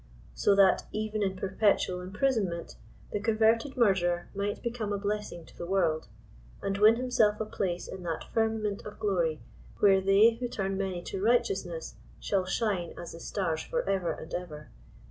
So that even in perpetual imprisonment the con verted murderer might become a blessing to the world, and win himself a place in that firmament of glory, where they who turn many to righteousness shall shine as the stars forever and ever.